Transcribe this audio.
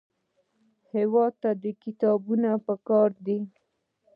هېواد ته کتابونه پکار دي